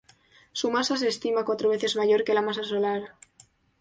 Su masa se estima cuatro veces mayor que la masa solar.